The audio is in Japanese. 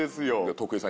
徳井さん